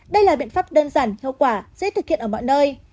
đây là biện pháp đơn giản hiệu quả dễ thực hiện ở mọi nơi